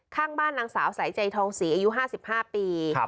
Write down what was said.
ข้างบ้านนางสาวสายใจทองศรีอายุ๕๕ปี